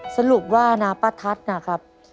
สรุปว่านะป้าทัศน์นะครับ